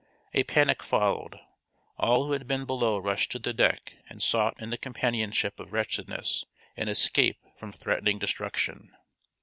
A panic followed. All who had been below rushed to the deck and sought in the companionship of wretchedness an escape from threatening destruction.